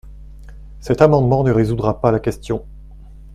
Cet amendement ne résoudra pas la question.